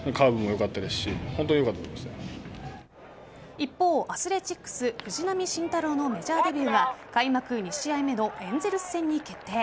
一方、アスレチックス藤浪晋太郎のメジャーデビューが開幕２試合目のエンゼルス戦に決定。